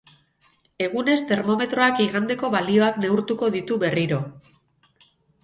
Egunez termometroak igandeko balioak neurtuko ditu berriro.